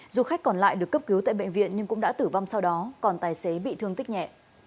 du khách còn lại được cấp cứu tại bệnh viện nhưng cũng đã tử vong sau đó còn tài xế bị thương tích nhẹ